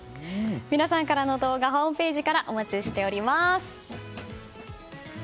皆さんからの動画ホームページからお待ちしております。